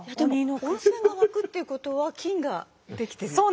温泉が湧くっていうことは金ができてる。